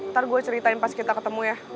ntar gue ceritain pas kita ketemu ya